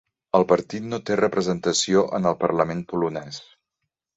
El partit no té representació en el Parlament polonès.